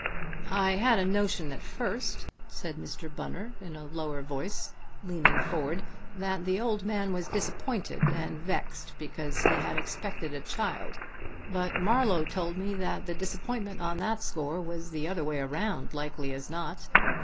I had a notion at first," said Mr. Bunner in a lower voice, leaning forward, "that the old man was disappointed and vexed because he had expected a child; but Marlowe told me that the disappointment on that score was the other way around, likely as not.